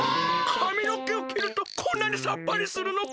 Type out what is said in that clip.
かみのけをきるとこんなにサッパリするのか！